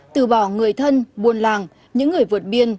từ bỏ người thân buôn làng những người vượt biên